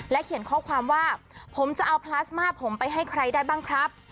เขียนข้อความว่าผมจะเอาพลาสมาผมไปให้ใครได้บ้างครับ